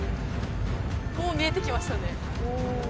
もう見えてきましたね